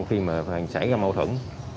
khi mà xảy ra mâu thuẫn